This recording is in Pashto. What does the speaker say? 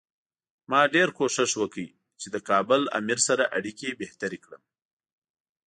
ما ډېر کوښښ وکړ چې له کابل امیر سره اړیکې بهترې کړم.